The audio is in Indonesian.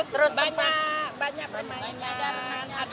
terus banyak banyak permainan